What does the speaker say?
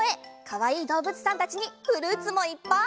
かわいいどうぶつさんたちにフルーツもいっぱい！